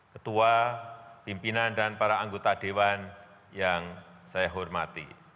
ketua pimpinan dan para anggota dewan yang saya hormati